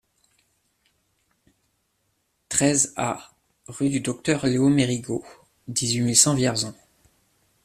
treize A rue du Docteur Léo Mérigot, dix-huit mille cent Vierzon